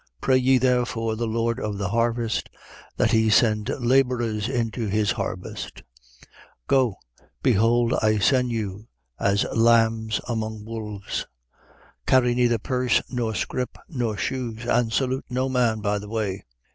Pray ye therefore the Lord of the harvest that he send labourers into his harvest. 10:3. Go: Behold I send you as lambs among wolves. 10:4. Carry neither purse, nor scrip, nor shoes: and salute no man by the way.